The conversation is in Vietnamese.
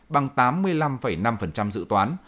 bằng tám mươi năm năm dự toán